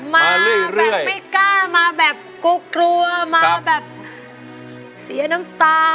มาเรื่อยเรื่อยมาแบบไม่กล้ามาแบบกลัวกลัวมาแบบเสียน้ำตา